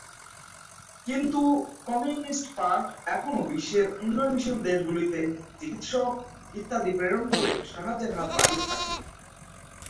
কিন্তু communist party এখনও বিশ্বের উন্নয়নশীল দেশগুলিতে চিকিৎসক, ইত্যাদি প্রেরণ করে সাহায্যের হাত বাড়িয়ে থাকে।